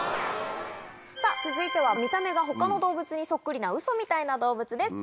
さあ、続いては見た目がほかの動物にそっくりな、ウソみたいな動物です。